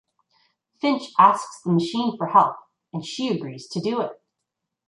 Finch asks the Machine for help and she agrees to do it.